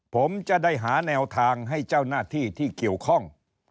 ผมจะได้หาแนวทางให้เจ้าหน้าที่ที่เกี่ยวข้อง